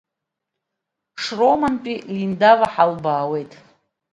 Шьромантәи Линдава ҳалбаауеит.